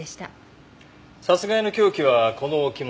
殺害の凶器はこの置物。